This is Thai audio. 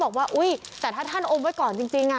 เป็นพระรูปนี้เหมือนเคี้ยวเหมือนกำลังทำปากขมิบท่องกระถาอะไรสักอย่าง